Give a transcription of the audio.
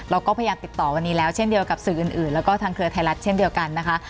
เราก็พยายามติดต่อวันนี้แล้วเช่นเดียวกับสื่ออื่นแล้วก็ทางเครือไทยรัฐเช่นเดียวกันนะคะ